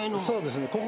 そうですね。